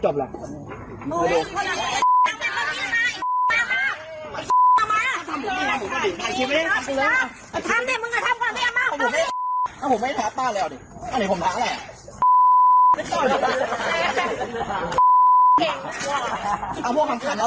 แห้งผมไม่ให้แห้งผมตสะแห้งผมตะแหละ